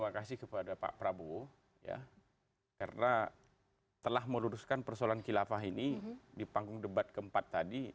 terima kasih kepada pak prabowo karena telah meluruskan persoalan kilafah ini di panggung debat keempat tadi